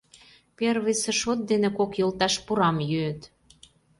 Первыйсе шот дене кок йолташ пурам йӱыт.